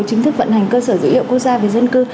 chính thức vận hành cơ sở dữ liệu quốc gia về dân cư